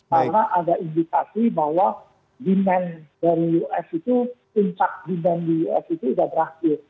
karena ada indikasi bahwa demand dari us itu puncak demand di us itu sudah berakhir